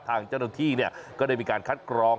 ทางเจ้าหน้าที่ก็ได้มีการคัดกรอง